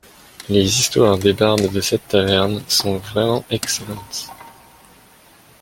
Les histoires des bardes de cette taverne sont vraiment excellentes.